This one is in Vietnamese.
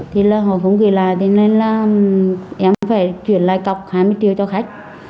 thì là họ không gửi lại cho nên là em phải chuyển lại cọc hai mươi triệu cho khách